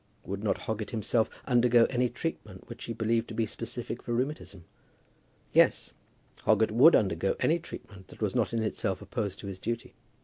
Would not Hoggett himself undergo any treatment which he believed to be specific for rheumatism? Yes; Hoggett would undergo any treatment that was not in itself opposed to his duty.